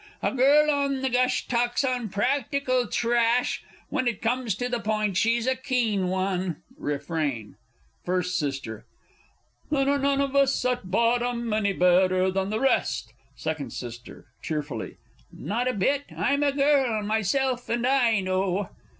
A girl on the gush talks unpractical trash When it comes to the point, she's a keen one! Refrain. First S. Then, are none of us at bottom any better than the rest! Second S. (cheerfully). Not a bit; I am a girl myself and I know.